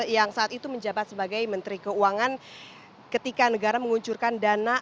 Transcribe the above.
yang saat itu menjabat sebagai menteri keuangan ketika negara menguncurkan dana